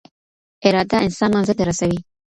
اراده انسان منزل ته رسوي.